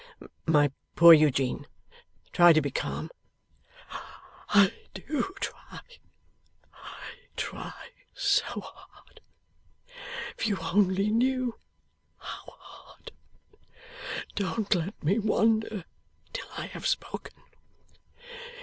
'My poor Eugene, try to be calm.' 'I do try. I try so hard. If you only knew how hard! Don't let me wander till I have spoken.